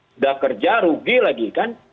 sudah kerja rugi lagi kan